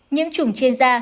nhiễm chủng trên da